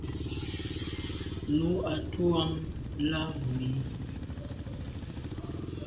Nu à tu àm la mi.